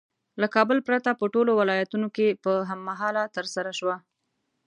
له کابل پرته په ټولو ولایتونو کې په هم مهاله ترسره شوه.